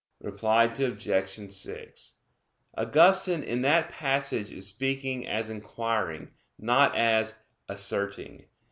Reply Obj. 6: Augustine in that passage is speaking as inquiring, not as asserting.